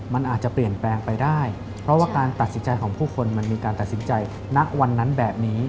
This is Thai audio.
มันอาจจะเปลี่ยนแปลงไปได้เพราะว่าการตัดสินใจของผู้คนมันมีการตัดสินใจณวันนั้นแบบนี้